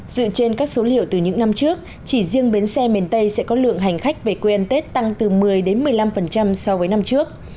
dựa trên các số liệu từ những năm trước chỉ riêng bến xe miền tây sẽ có lượng hành khách về quê ăn tết tăng từ một mươi một mươi năm so với năm trước